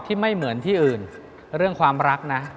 ไม่เหมือนที่อื่นเรื่องความรักนะ